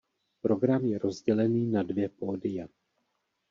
Program je rozdělený na dvě pódia.